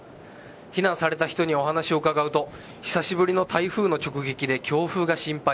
避難された人にお話を伺うと久しぶりの台風の直撃で強風が心配。